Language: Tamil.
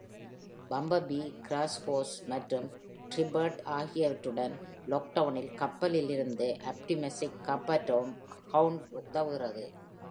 பம்பல்பீ, கிராஸ்ஹேர்ஸ் மற்றும் ட்ரிஃப்ட் ஆகியவற்றுடன் லாக்டவுனின் கப்பலில் இருந்து ஆப்டிமஸைக் காப்பாற்றவும் Hound உதவுகிறது.